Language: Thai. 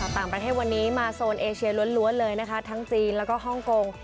ต่างประเทศวันนี้มาโซนเอเชียล้วนเลยนะคะทั้งจีนแล้วก็ฮ่องกง